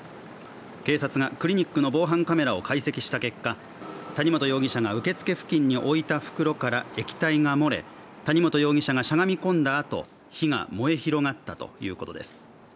警察がクリニックの防犯カメラを解析した結果谷本容疑者が受付付近に置いた袋から液体が漏れ、液体が漏れ谷本容疑者がしゃがみ込んだあと、火が燃え広がったということです。